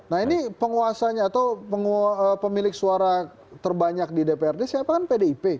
nah ini penguasanya atau pemilik suara terbanyak di dprd siapa kan pdip